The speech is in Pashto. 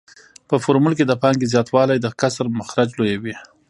په فورمول کې د پانګې زیاتوالی د کسر مخرج لویوي